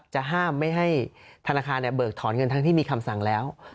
จะห้ามไม่ให้ธนาคารเบิกถอนเงินทั้งที่มีคำสั่งแล้ว